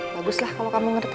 bagus lah kalau kamu ngerti